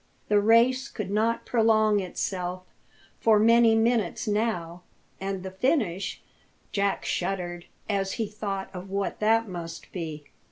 The race could not prolong itself for many minutes now, and the finish Jack shuddered, as he thought of what that must be.